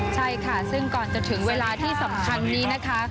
ใช่ค่ะซึ่งก่อนจะถึงเวลาที่สำคัญนี้นะคะ